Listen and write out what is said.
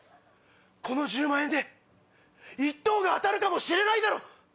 この１０万円で１等が当たるかもしれないだろ。